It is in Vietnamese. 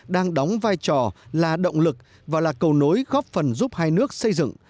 đang đóng vai trò là động lực và là cầu nối góp phần giúp hai nước xây dựng